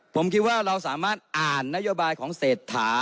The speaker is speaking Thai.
ผมคิดว่าเราสามารถอ่านนโยบายของเศรษฐา